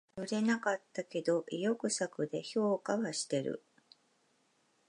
売れなかったけど意欲作で評価はしてる